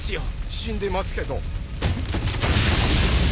死んでますけど。